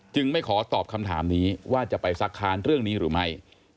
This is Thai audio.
ไม่ขอตอบคำถามนี้ว่าจะไปซักค้านเรื่องนี้หรือไม่